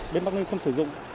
bến bắc ninh không sử dụng